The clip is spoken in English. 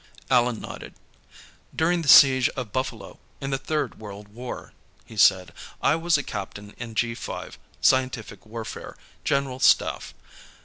Allan nodded. "During the siege of Buffalo, in the Third World War," he said, "I was a captain in G5 Scientific Warfare, General Staff.